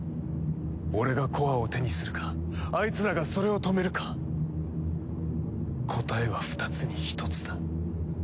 俺がコアを手にするかアイツらがそれを止めるか答えは２つに１つだ。